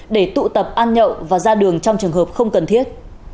để tụ tập ăn nhậu và ra đường trong trường hợp không cần thiết